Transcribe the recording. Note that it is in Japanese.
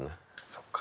そっか。